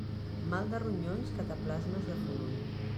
Mal de ronyons, cataplasmes de fonoll.